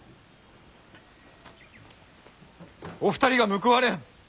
お二人が報われん。